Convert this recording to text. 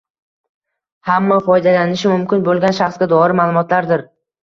hamma foydalanishi mumkin bo‘lgan shaxsga doir ma’lumotlardir.